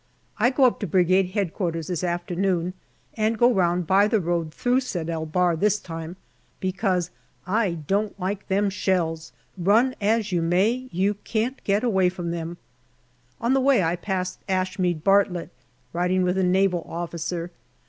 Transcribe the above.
I go up to Brigade H.Q. this afternoon, and go round by the road through Sed el Bahr this time, because " I don't like them shells ; run as you may, you can't get away from them." On the way I passed Ashmead Bartlett riding with a Naval officer.